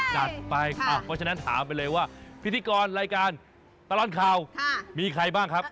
จัดไปเพราะฉะนั้นถามไปเลยว่าพิธีนาโกนไลการตะลอนคัวมีใครบ้างครับ